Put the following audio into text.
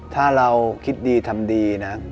ถ้าเราคิดดีทำดีนะ